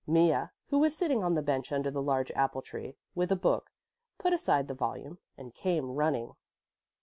Mea, who was sitting on the bench under the large apple tree, with a book, put aside the volume and came running.